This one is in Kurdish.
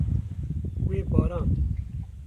Wê barand.